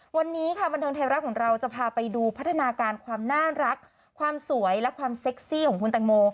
วันนี้ค่ะบันเทิงไทยรัฐของเราจะพาไปดูพัฒนาการความน่ารักความสวยและความเซ็กซี่ของคุณแตงโม